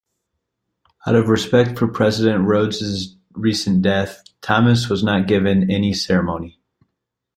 Out of respect for President Rhoads's recent death, Thomas was not given any ceremony.